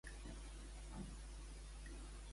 Sí, senyor; i anava a soles.